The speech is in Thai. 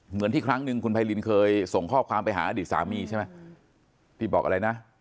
เหมือนที่ครั้งหนึ่งคุณไพรินเคยส่งข้อความไปหาอดีตสามีใช่ไหมที่บอกอะไรนะ